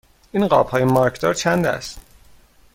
این قاب های مارکدار چند است؟